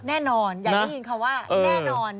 แน่นอนอยากได้ยินคำว่าแน่นอน